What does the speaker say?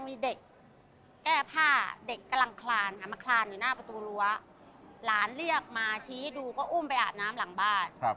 มาคลานอยู่หน้าประตูรั้วเหล้านเรียกมาชี้ให้ดูก็อ้มไปอาดน้ำหลังบ้าน